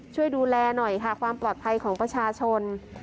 ช่วยดูแลหน่อยค่ะความปลอดภัยของประชาชน